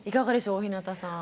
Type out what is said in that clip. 大日向さん。